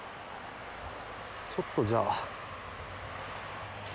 ちょっとじゃあ。